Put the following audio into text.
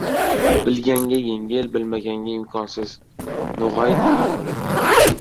Bilganga — yengil, bilmaganga — imkonsiz. No‘g‘ay maqoli